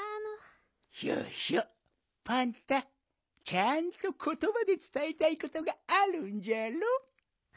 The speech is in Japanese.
ちゃんとことばでつたえたいことがあるんじゃろ？